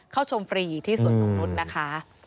เข้าชมฟรีที่สวนตรงนุษย์นะคะ